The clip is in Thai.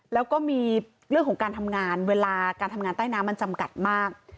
แล้วก็มีเรื่องของการทำงานเวลาการทำงานใต้น้ำมันจำกัดมาก